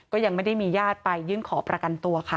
ก็ยังไม่ได้มีญาติไปยื่นขอประกันตัวค่ะ